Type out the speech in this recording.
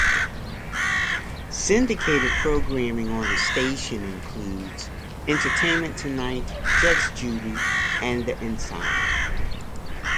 Syndicated programming on the station includes: "Entertainment Tonight", "Judge Judy" and "The Insider".